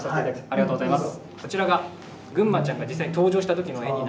ありがとうございます。